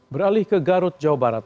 beralih ke garut jawa barat